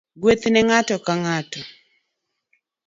Gweth ne ngato ka ngato